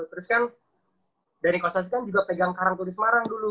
terus kan dhani kostasi kan juga pegang karang tuh di semarang dulu